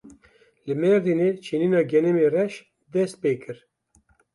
Li Mêrdînê çinîna genimê reş dest pê kir.